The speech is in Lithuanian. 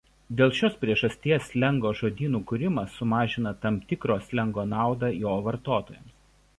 Dėl šios priežasties slengo žodynų kūrimas sumažina tam tikro slengo naudą jo vartotojams.